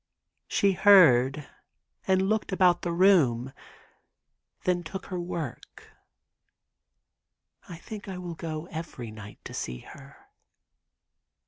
She heard, and looked about the room, then took her work. I think I will go every night to see her."